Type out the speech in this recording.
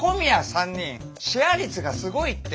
３人シェア率がすごいって。